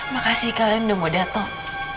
makasih kalian udah mau datang